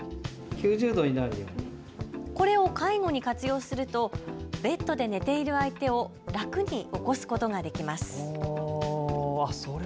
これを介護に活用するとベッドで寝ている相手を楽に起こすことができます。